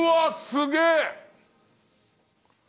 すげえ！